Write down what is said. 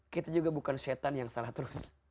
kita juga bukan syetan yang salah terus